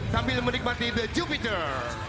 sambil menikmati the jupiter